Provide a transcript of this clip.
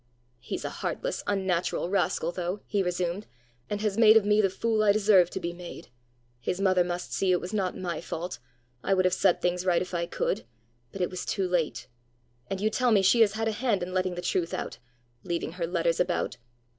"He's a heartless, unnatural rascal, though," he resumed, "and has made of me the fool I deserved to be made! His mother must see it was not my fault! I would have set things right if I could! But it was too late! And you tell me she has had a hand in letting the truth out leaving her letters about!